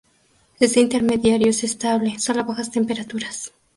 Este intermediario es estable sólo a bajas temperaturas.